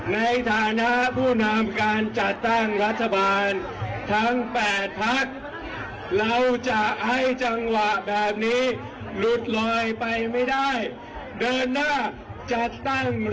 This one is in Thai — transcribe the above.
ในฐานะผู้นำการจัดตั้งรัฐบาลทั้ง๘พักเราจะให้จังหวะแบบนี้หลุดลอยไปไม่ได้เดินหน้าจัดตั้งรัฐบาลไปหวยไว้ก่อนเลยคราวนี้หวยโอบ๓๗๖แน่นอน